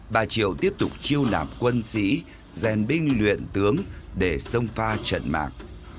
bà triệu tiếp tục chiêu nạp quân sĩ rèn binh luyện tướng để sông pha trận mạng